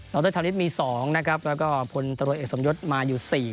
รธาริสมี๒นะครับแล้วก็พลตรวจเอกสมยศมาอยู่๔